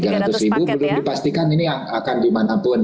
tiga ratus belum dipastikan ini akan dimanapun